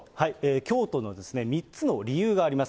京都の３つの理由があります。